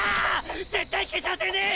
絶対消させねえ！